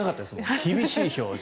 厳しい表情。